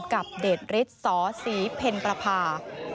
กับเดชฤทธิสศรีเพ็ญประพา